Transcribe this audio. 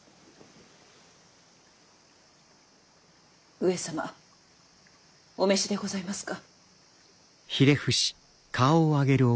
上様お召しでございますか？